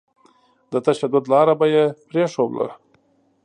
د تشدد لاره به يې پرېښودله.